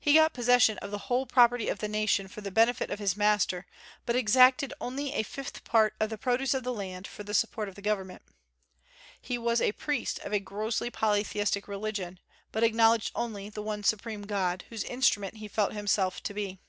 He got possession of the whole property of the nation for the benefit of his master, but exacted only a fifth part of the produce of the land for the support of the government. He was a priest of a grossly polytheistic religion, but acknowledged only the One Supreme God, whose instrument he felt himself to be.